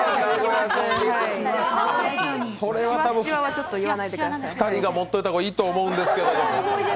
それは２人が持っておいた方がいいと思うんですけど。